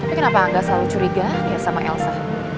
tapi kenapa nggak selalu curiga ya sama elsa